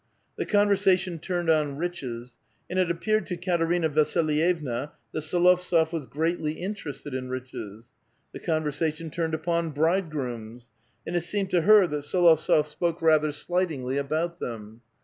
The conversation turnod on riches, and it ap peared to Katerina Vasilyevna that S6lovtsof was greatly interested in riches. The conversation turned upon '* bride grooms," and it seemed to her that S61ovtsof spoke rather 418 A VITAL QUESTIOIf. slightingly alwut them.